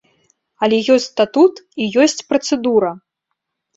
Але ёсць статут і ёсць працэдура.